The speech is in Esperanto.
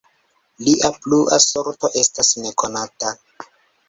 Lia plua sorto estas nekonata.